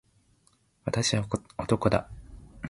私は男だ。